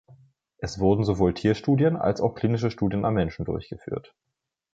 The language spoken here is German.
Es wurden sowohl Tierstudien als auch klinische Studien am Menschen durchgeführt.